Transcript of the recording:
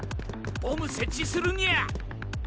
ボム設置するニャ！